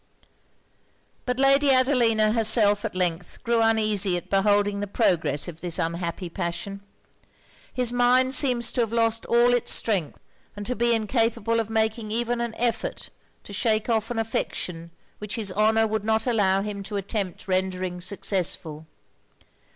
But Lady Adelina herself at length grew uneasy at beholding the progress of this unhappy passion. His mind seemed to have lost all it's strength, and to be incapable of making even an effort to shake off an affection which his honour would not allow him to attempt rendering successful.